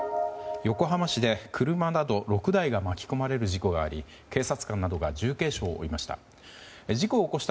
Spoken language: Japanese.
横浜市で車など６台が巻き込まれる事故があり警察官などが重軽傷を負いました。